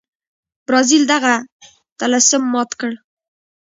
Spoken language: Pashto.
برازیل دغه طلسم مات کړ.